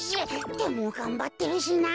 でもがんばってるしな。